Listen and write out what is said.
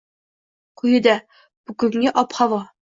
Quyida: Bugungi ob -havo